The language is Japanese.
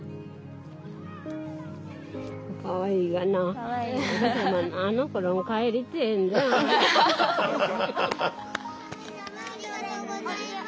寒いのにありがとうございます。